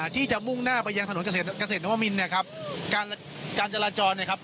ที่จะมุ่งหน้าไปยังถนนเกษตรเกษตรนวมินเนี่ยครับการการจราจรเนี่ยครับ